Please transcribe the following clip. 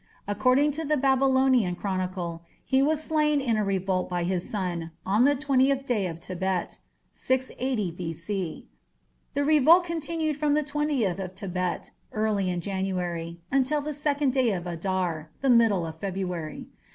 According to the Babylonian Chronicle he was slain in a revolt by his son "on the twentieth day of Tebet" (680 B.C). The revolt continued from the "20th of Tebet" (early in January) until the 2nd day of Adar (the middle of February).